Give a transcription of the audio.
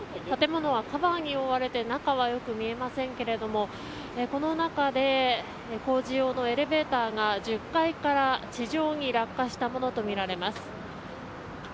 建物はカバーに覆われて中はよく見えませんけどもこの中で工事用のエレベーターが１０階から地上に落下したものとみられます。